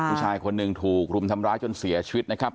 ผู้ชายคนหนึ่งถูกรุมทำร้ายจนเสียชีวิตนะครับ